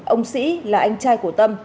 ông sĩ là anh trai của tâm